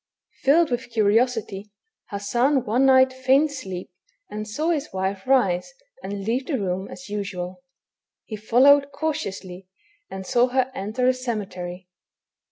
Filled with curiosity, Hassan one night feigned sleep, and saw his wife rise and leave the room as usual. He followed cautiously, and saw her enter a cemetery.